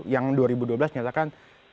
yang dua ribu dua belas nyatakan